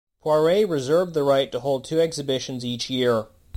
Poiret reserved the right to hold two exhibitions each year.